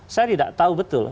saya tidak tahu betul